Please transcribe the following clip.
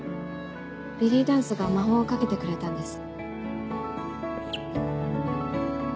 ベリーダンスが魔法をかけてくれたんです。